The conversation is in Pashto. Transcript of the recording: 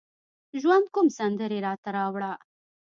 ژوند کوم سندرې راته راوړه